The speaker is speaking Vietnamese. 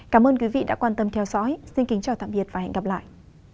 cảm ơn quý vị đã quan tâm theo dõi xin kính chào tạm biệt và hẹn gặp lại